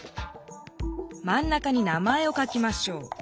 まん中に名前を書きましょう。